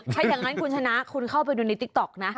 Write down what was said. ถ้าอย่างนั้นคุณชนะคุณเข้าไปดูในติ๊กต๊อกนะ